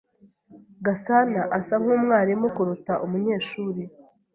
Gasanaasa nkumwarimu kuruta umunyeshuri.